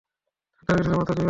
তার টার্গেট ছিল মাত্র দুই মাসের।